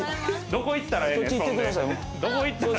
どこ行ったらええんや？